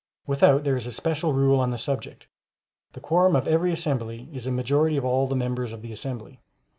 Without there is a special rule on the subject, the quorum of every assembly is a majority of all the members of the assembly.